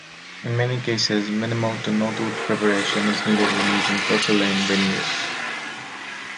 In many cases, minimal to no tooth preparation is needed when using porcelain veneers.